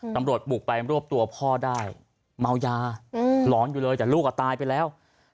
ตำรวจบุกไปรวบตัวพ่อได้เมายาหลอนอยู่เลยแต่ลูกอ่ะตายไปแล้ว